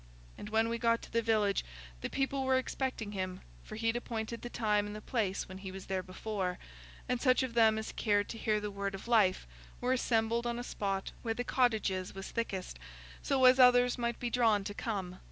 And when we got to the village, the people were expecting him, for he'd appointed the time and the place when he was there before, and such of them as cared to hear the Word of Life were assembled on a spot where the cottages was thickest, so as others might be drawn to come.